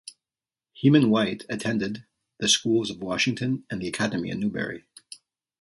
Heman White attended the schools of Washington and the academy in Newbury.